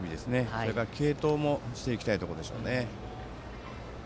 それから継投もしていきたいところですね。